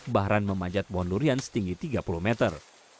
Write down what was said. bahran memajat buah durian setinggi tiga puluh meter